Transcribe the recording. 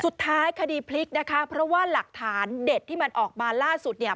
สุดท้ายคดีพลิกนะคะเพราะว่าหลักฐานเด็ดที่มันออกมาล่าสุดเนี่ย